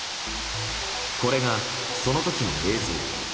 これが、その時の映像。